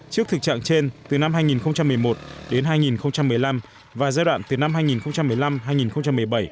trước thực trạng trên từ năm hai nghìn một mươi một đến hai nghìn một mươi năm và giai đoạn từ năm hai nghìn một mươi năm hai nghìn một mươi bảy